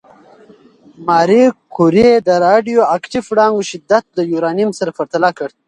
ماري کوري د راډیواکټیف وړانګو شدت د یورانیم سره پرتله کړ.